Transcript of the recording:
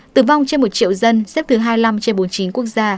tử vong trên một triệu dân xếp thứ hai mươi năm trên bốn mươi chín quốc gia